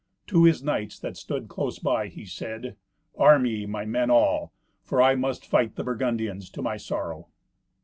To his knights that stood close by, he said, "Arm ye, my men all. For I must fight the Burgundians, to my sorrow."